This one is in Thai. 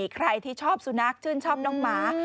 ใครที่ชอบสุนัขชื่นชอบน้องหมา